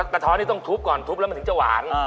กระท้อนี่ต้องทุบก่อนทุบแล้วมันถึงจะหวาน